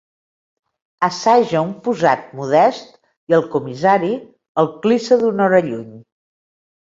Assaja un posat modest i el comissari el clissa d'una hora lluny.